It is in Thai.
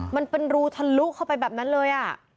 มันเป็นรูทะลุเข้าไปแบบนั้นเลย